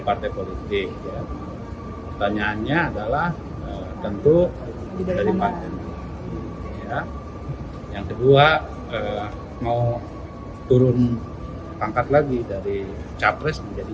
partai politik tanyaannya adalah tentu yang kedua mau turun angkat lagi dari capres menjadi